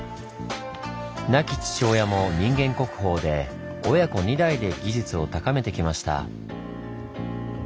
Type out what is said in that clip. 亡き父親も人間国宝で親子２代で技術を高めてきました。